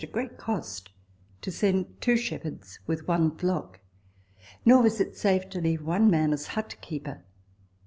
t great cost, to send two shepherds with one flock. Nor was it safe to leave one man as hut keeper.